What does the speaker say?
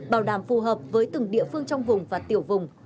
bảo đảm phù hợp với từng địa phương trong vùng và tiểu vùng